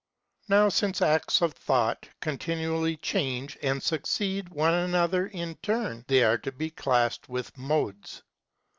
Now since acts of thought continually change and succeed one another in turn, they are to be classed with modes (§ 151, Ontol.)